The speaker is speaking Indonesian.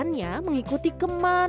ikannya mengikuti kemana